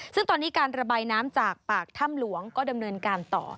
ซึ่งตอนนี้การระบายน้ำจากปากถ้ำหลวงก็ดำเนินการต่อ